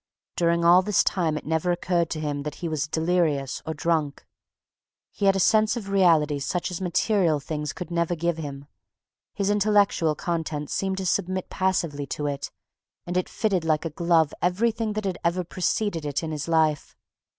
During all this time it never occurred to him that he was delirious or drunk. He had a sense of reality such as material things could never give him. His intellectual content seemed to submit passively to it, and it fitted like a glove everything that had ever preceded it in his life.